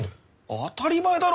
当たり前だろ！